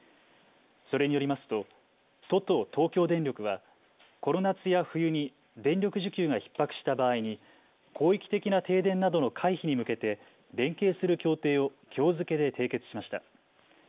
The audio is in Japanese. それによりますと都と東京電力はこの夏や冬に電力需給がひっ迫した場合に広域的な停電などの回避に向けて連携する協定をきょう付けで締結しました。